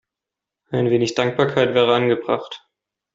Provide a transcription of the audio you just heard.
Ein wenig Dankbarkeit wäre angebracht.